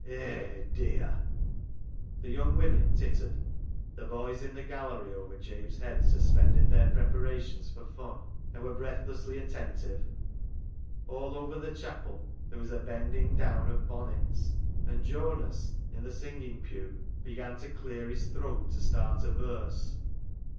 " Hay, dear !" The young women tittered, the boys in the gallery over Jabe's head suspended their pre parations for fun, and were breathlessly atten tive. All over the chapel there was a bending down of bonnets, and Jonas in the singing pew began to clear his throat to start a verse.